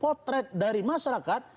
besok potret dari masyarakat